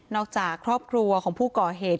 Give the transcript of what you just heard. จากครอบครัวของผู้ก่อเหตุ